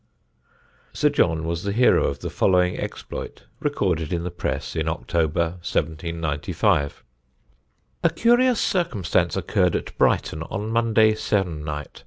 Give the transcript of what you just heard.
Sir John was the hero of the following exploit, recorded in the press in October, 1795: "A curious circumstance occurred at Brighton on Monday se'nnight.